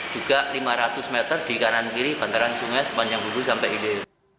juga lima ratus meter di kanan kiri bantaran sungai sepanjang hulu sampai hilir